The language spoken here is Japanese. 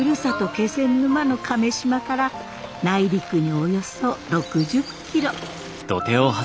気仙沼の亀島から内陸におよそ６０キロ。